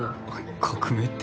革命って？